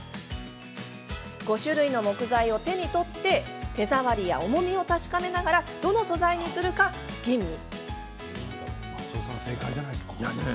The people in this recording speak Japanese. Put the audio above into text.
５種類の木材を手に取って手触りや重みを確かめながらどの素材にするか吟味。